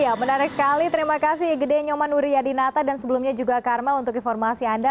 ya menarik sekali terima kasih gede nyoman wiryadinata dan sebelumnya juga karmel untuk informasi anda